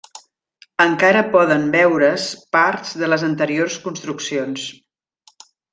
Encara poden veure's parts de les anteriors construccions.